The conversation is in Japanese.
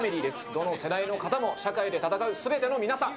どの世代の方も、社会で戦うすべての皆さん。